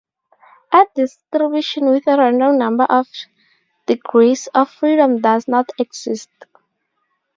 A t distribution with a random number of degrees of freedom does not exist.